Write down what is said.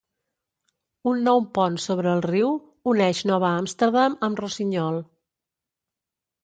Un nou pont sobre el riu uneix Nova Amsterdam amb Rosignol.